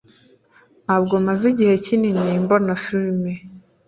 Ntabwo maze igihe kinini mbona firime.